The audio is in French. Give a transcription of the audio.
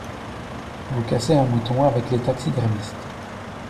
Vous cassez un mouton avec les taxidermistes.